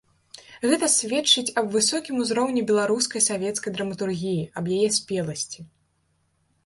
Гэта сведчыць аб высокім узроўні беларускай савецкай драматургіі, аб яе спеласці.